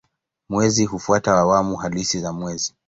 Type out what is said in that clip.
Mwezi hufuata awamu halisi za mwezi.